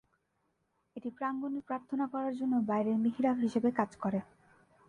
এটি প্রাঙ্গণে প্রার্থনা করার জন্য বাইরের মিহরাব হিসেবে কাজ করে।